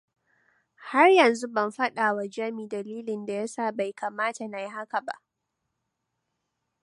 Har yanzu ban faɗawa Jami dalilin da yasa bai kamata na yi haka ba.